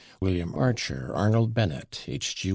William Archer, [Pg013] Arnold Bennett, H. G.